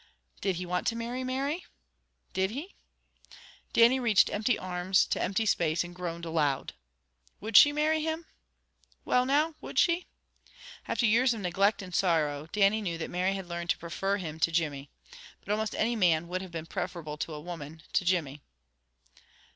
Did he want to marry Mary? Did he? Dannie reached empty arms to empty space, and groaned aloud. Would she marry him? Well, now, would she? After years of neglect and sorrow, Dannie knew that Mary had learned to prefer him to Jimmy. But almost any man would have been preferable to a woman, to Jimmy.